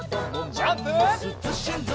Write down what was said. ジャンプ！